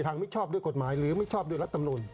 ทางมิชชอบด้วยกฎหมายหรือมิชชอบด้วยรัฐตำรวจ